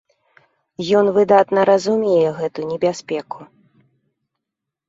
Ён выдатна разумее гэту небяспеку.